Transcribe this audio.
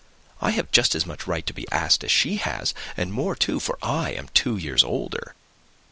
I have just as much right to be asked as she has, and more too, for I am two years older."